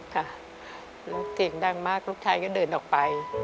ค่ะลูกเสียงดังมากลูกชายก็เดินออกไป